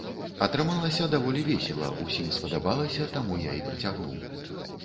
Атрымалася даволі весела, усім спадабалася, таму я і працягнуў.